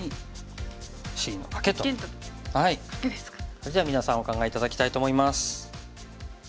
それじゃあ皆さんお考え頂きたいと思います。